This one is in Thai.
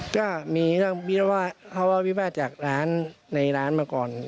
ก็มีเรื่องเขาว่าวิวาสจากร้านในร้านมาก่อน